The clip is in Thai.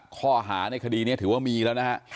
ข้อหาในคดีนี้ถือว่ามีแล้วนะฮะ